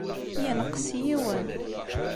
Yenqes yiwen.